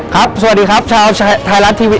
สวัสดีครับชาวไทยรัฐทีวี